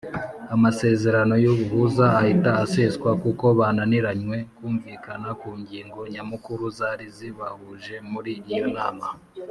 amasezerano y ubuhuza ahita aseswa kuko bananiranywe kumvikana kungingo nyamukuru zari zabahuje muri iyo nama.